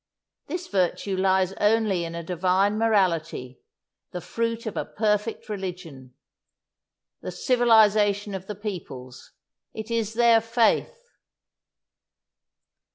This virtue lies only in a divine morality, the fruit of a perfect religion! The civilization of the peoples it is their faith!"